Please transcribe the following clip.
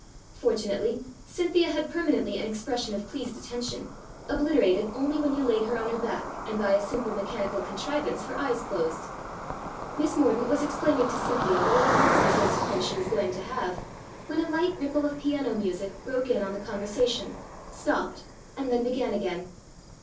Fortunately Cynthia had permanently an ex pression of pleased attention, obliterated only when you laid her on her back and by a simple mechanical contrivance her eyes closed. Miss Mordaunt was explaining to Cynthia what a re markably good time she was going to have, when a light ripple of piano music broke in on the con versation, stopped, and then began again.